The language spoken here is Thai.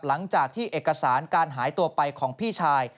หลังจากที่เอกสารการหายตัวไปของพี่ชาย